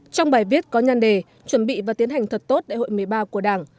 trong bài viết có nhăn đề chuẩn bị và tiến hành thật tốt đại hội một mươi ba của đảng